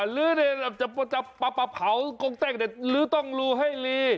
ดูจะปะเผ่าคงแต้งหรือต้องลูให้ลี